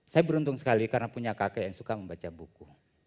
saya beruntung sekali karena punya kakek yang suka membaca buku